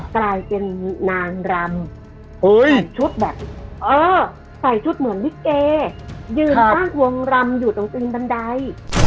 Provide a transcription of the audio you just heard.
กลายเป็นนางรำชุดแบบเออใส่ชุดเหมือนลิเกยืนตั้งวงรำอยู่ตรงตีนบันได